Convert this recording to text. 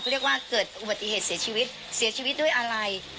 เรียกว่าเกิดอุบัติเหตุเสียชีวิตเสียชีวิตด้วยอะไร